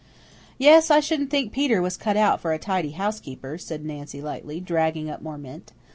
"Yes, I shouldn't think Peter was cut out for a tidy housekeeper," said Nancy lightly, dragging up more mint.